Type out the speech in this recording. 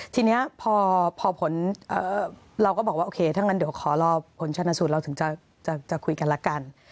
ทีนี้พอผลเราก็บอกว่าโอเคถ้างั้นเดี๋ยวขอรอผลชนสูตรเราถึงจะคุยกันละกัน